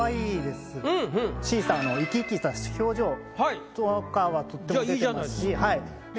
シーサーの生き生きした表情とかはとっても出てますし。